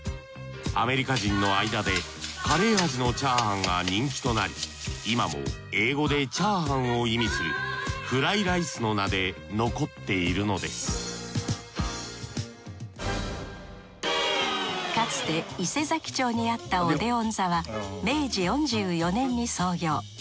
アメリカ人の間でカレー味のチャーハンが人気となり今も英語でチャーハンを意味するフライライスの名で残っているのですかつて伊勢佐木町にあったオデヲン座は明治４４年に創業。